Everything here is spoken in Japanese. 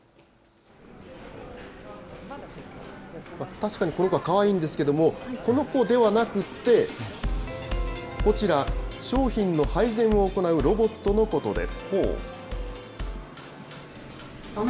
確かにこの子はかわいいんですけども、この子ではなくって、こちら、商品の配膳を行うロボットのことです。